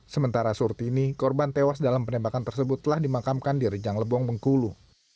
sementara surtini korban tewas dalam penembakan tersebut telah dimakamkan di rejang lebong bengkulu